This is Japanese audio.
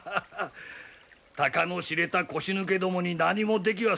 たかの知れた腰抜けどもに何もできはせぬわ。